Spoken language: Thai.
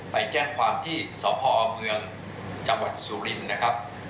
ไปแจ้งความที่สพเมืองจังหวัดสุรินทร์นะครับ